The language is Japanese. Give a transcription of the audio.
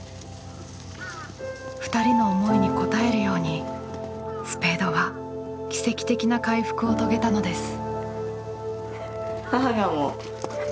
２人の思いに応えるようにスペードは奇跡的な回復を遂げたのです。